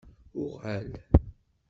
UƔal!